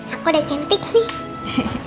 aku udah cantik nih